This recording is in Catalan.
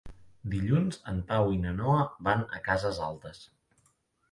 Dilluns en Pau i na Noa van a Cases Altes.